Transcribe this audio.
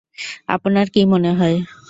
আপনার কী মনে হয়?